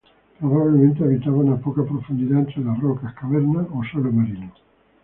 Probablemente habitaban a poca profundidad entre las rocas, cavernas o suelo marino.